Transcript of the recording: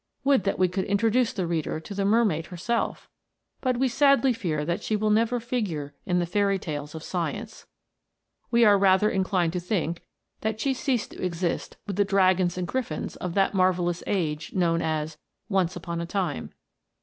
Would that we could introduce the reader to the mermaid herself, but we sadly fear that she will never figure in the fairy tales of science. We are rather inclined to think that she ceased to exist with the dragons and griffins of that marvellous age known as "once upon a time."